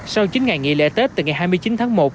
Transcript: sau chín ngày nghỉ lễ tết từ ngày hai mươi chín tháng một